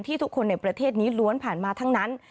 ทุกคนในประเทศนี้ล้วนผ่านมาทั้งนั้น